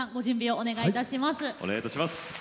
お願いいたします。